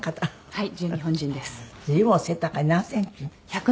はい。